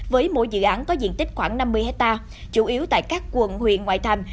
với mỗi dự án có diện tích khoảng năm mươi hectare chủ yếu tại các quận huyện ngoại thành